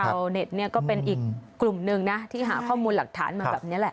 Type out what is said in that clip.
เน็ตเนี่ยก็เป็นอีกกลุ่มหนึ่งนะที่หาข้อมูลหลักฐานมาแบบนี้แหละ